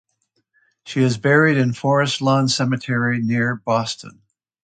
She is buried in Forest Lawn Cemetery near Boston.